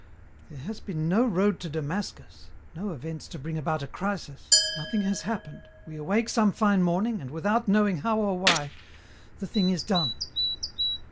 There has been no road to Damascus, no events to bring about a crisis ; nothing has happened, we awake some fine morning, and, without knowing how or why, the thing is done.